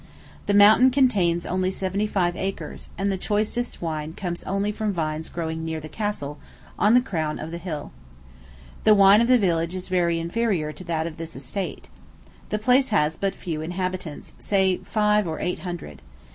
The mountain contains only seventy five acres, and the choicest wine comes only from vines growing near the castle, on the crown of the bill. The wine of the village is very inferior to that of this estate. The place has but few inhabitants say five or eight hundred.